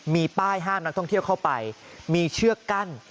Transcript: มีป้ายห้ามนักท่องเที่ยวเข้าไปมีเชือกกั้น